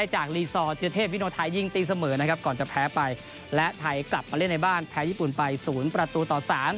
หลังกับแผนประตูต่อ๓